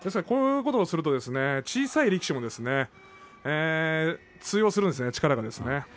こういうことをすると小さい力士も通用するんですね、力が。